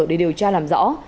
để điều tra làm rõ